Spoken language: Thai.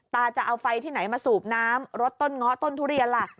ตาจะเอาไฟที่ไหนมาสูบน้ำรถต้นเงาะต้นทุเรียนล่ะ